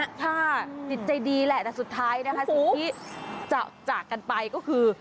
จิตใจดีแหละแต่สุดท้ายนะคะสิ่งที่จะจากกันไปก็คือ